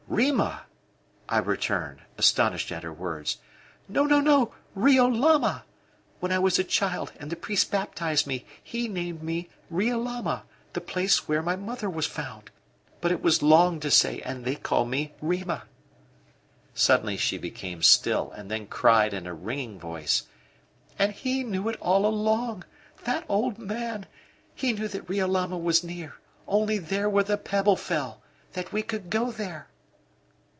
"Rima!" I returned, astonished at her words. "No, no, no Riolama. When I was a child, and the priest baptized me, he named me Riolama the place where my mother was found. But it was long to say, and they called me Rima." Suddenly she became still and then cried in a ringing voice: "And he knew it all along that old man he knew that Riolama was near only there where the pebble fell that we could go there!"